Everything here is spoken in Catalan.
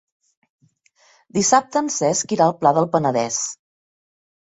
Dissabte en Cesc irà al Pla del Penedès.